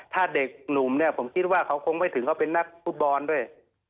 ถ้าเด็กหนุ่มเนี่ยผมคิดว่าเขาคงไม่ถึงเขาเป็นนักฟุตบอลด้วย